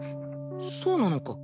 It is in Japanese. そうなのか。